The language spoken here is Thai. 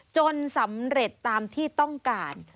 จนสำเร็จตามที่ต้องการ